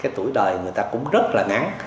tuổi đời người ta cũng rất là ngắn